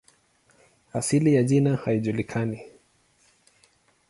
Asili ya jina haijulikani.